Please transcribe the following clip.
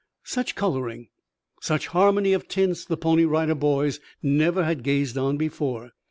Such coloring, such harmony of tints the Pony Rider Boys never had gazed on before.